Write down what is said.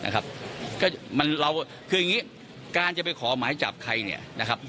คืออย่างนี้การจะไปขอหมายจับใคร